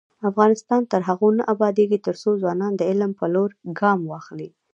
افغانستان تر هغو نه ابادیږي، ترڅو ځوانان د علم په لور ګام واخلي.